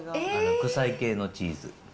臭い系のチーズ。